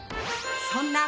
そんな。